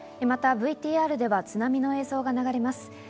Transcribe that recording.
また、ＶＴＲでは津波の映像が流れます。